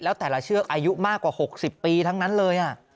แล้วแต่ละเชือกอายุมากกว่า๖๐ปีทั้งนั้นเลย